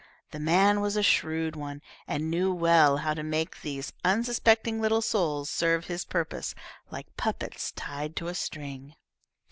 The man was a shrewd one, and knew well how to make these unsuspecting little souls serve his purpose, like puppets tied to a string.